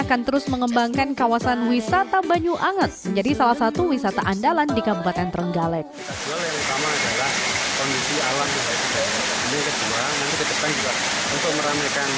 untuk meramikan lokasi wisata ini kita akan bangun ke beberapa kota di sana